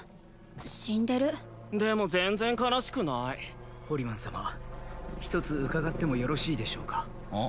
死んでるでも全然悲しくないポリマン様一つ伺ってもよろしいでしょうかうん？